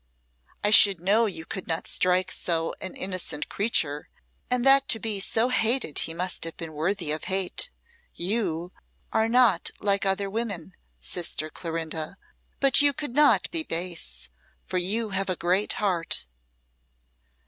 I should know you could not strike so an innocent creature, and that to be so hated he must have been worthy of hate. You are not like other women, sister Clorinda; but you could not be base for you have a great heart."